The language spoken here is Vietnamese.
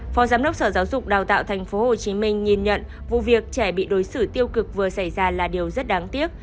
phó giám đốc sở giáo dục đào tạo tp hcm nhìn nhận vụ việc trẻ bị đối xử tiêu cực vừa xảy ra là điều rất đáng tiếc